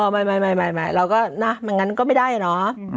ไม่เราก็งันก็ไม่ได้เนาะ